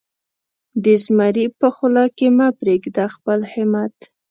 د زمري په خوله کې مه پرېږده خپل همت.